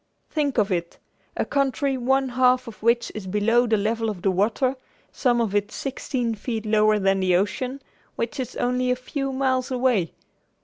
Think of it! A country one half of which is below the level of the water, some of it sixteen feet lower than the ocean, which is only a few miles away!